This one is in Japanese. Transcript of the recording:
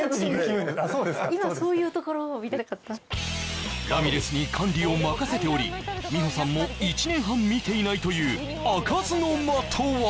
今そういうところラミレスに管理を任せており美保さんも１年半見ていないという開かずの間とは？